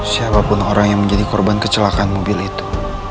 siapapun orang yang menjadi korban kecelakaan mobil itu